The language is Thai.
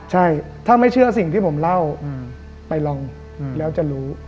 ใช่ถ้าไม่เชื่อสิ่งที่ผมเล่าไปลองแล้วจะรู้